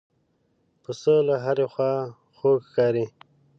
پسه له هرې خوا خوږ ښکاري.